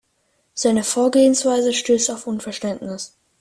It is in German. Seine Vorgehensweise stößt auf Unverständnis.